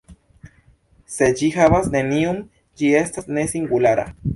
Se ĝi havas neniun, ĝi estas "ne-singulara".